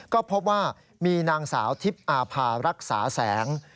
ก็พบว่ามีนางสาวทิพย์อาภารักษาแสง